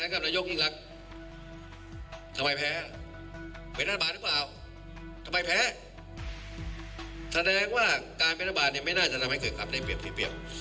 การที่พักประชาธิบัตรนายกพิชินแพรกรัฐมนตรี